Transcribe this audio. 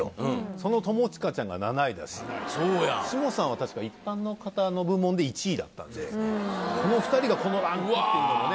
その友近ちゃんが７位だしシュモさんは確か一般の方の部門で１位だったんでこの２人がこのランクっていうのもね